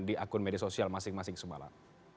di akun media sosial masing masing semalam